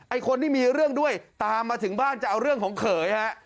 คนที่มีเรื่องด้วยตามมาถึงบ้านจะเอาเรื่องของเขยฮะ